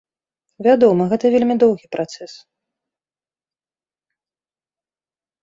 Вядома, гэта вельмі доўгі працэс.